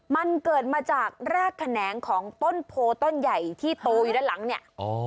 มันเกิดมาจากรากแขนงของต้นโพต้นใหญ่ที่โตอยู่ด้านหลังเนี่ย